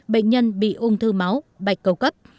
bệnh nhân bị ung thư máu bạch cầu cấp